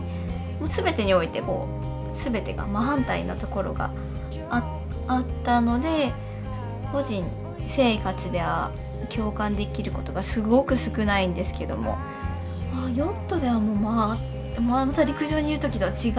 全てにおいて全てが真反対なところがあったので個人生活では共感できることがすごく少ないんですけどもヨットではまた陸上にいるときとは違う感覚になりますね。